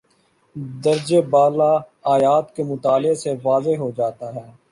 درجِ بالا آیات کے مطالعے سے واضح ہو جاتا ہے